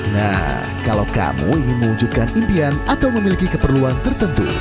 nah kalau kamu ingin mewujudkan impian atau memiliki keperluan tertentu